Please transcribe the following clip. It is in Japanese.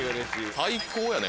最高やね